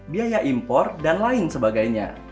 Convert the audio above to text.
biaya impor dan lain sebagainya